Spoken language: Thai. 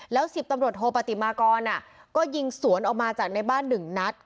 แล้วสิบตำลดโทปติมากรอ่ะก็ยิงสวนออกมาจากในบ้านหนึ่งนัด